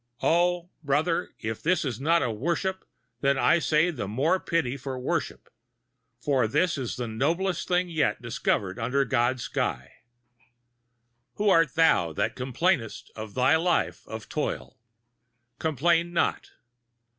Oh, brother, if this is not "worship," then, I say, the more pity for worship; for this is the noblest thing yet discovered under God's sky! [Pg 157]Who art thou that complainest of thy life of toil? Complain not.